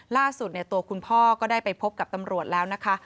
ล่าสุดตัวคุณพ่อก็ได้ไปพบกับตำรวจแล้วนะคะ